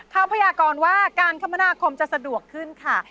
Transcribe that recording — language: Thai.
เขาพยากรว่าการคมนาคมจะสะดวกขึ้นค่ะ